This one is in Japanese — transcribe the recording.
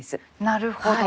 なるほど。